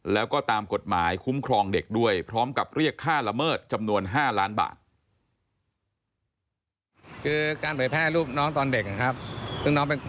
แล้วก็ตามกฎหมายคุ้มครองเด็กด้วยพร้อมกับเรียกค่าละเมิดจำนวน๕ล้านบาท